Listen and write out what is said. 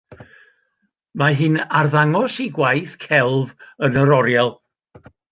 Mae hi'n arddangos ei gwaith celf yn yr oriel.